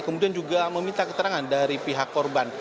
kemudian juga meminta keterangan dari pihak korban